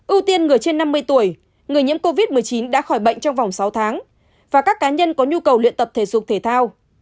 ưu tiên người trên năm mươi tuổi người nhiễm covid một mươi chín đã khỏi bệnh trong vòng sáu tháng và các cá nhân có nhu cầu luyện tập thể dục thể thao